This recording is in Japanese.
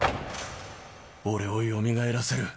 俺をよみがえらせる。